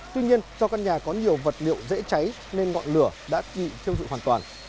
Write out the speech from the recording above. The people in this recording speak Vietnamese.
tuy nhiên do căn nhà có nhiều vật liệu dễ cháy nên ngọn lửa đã kị thiêu dụi hoàn toàn